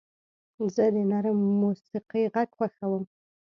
زه د نرم موسیقۍ غږ خوښوم.